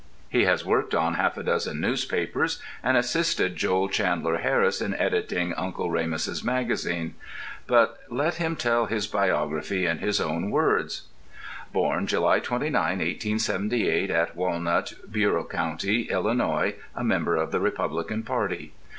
He has worked on half a dozen newspapers, and assisted Joel Chandler Harris in editing "Uncle Remus's Magazine." But let him tell his biography in his own words: Born July 29, 1878, at Walnut, Bureau Co., Ill., a member of the Republican party.